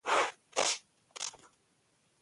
سیلابونه د افغانانو د معیشت سرچینه ده.